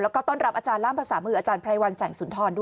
แล้วก็ต้อนรับอาจารย์ล่ามภาษามืออาจารย์ไพรวัลแสงสุนทรด้วย